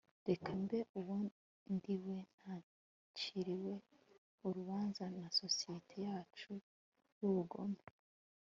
reka mbe uwo ndiwe ntaciriwe urubanza na societe yacu y'ubugome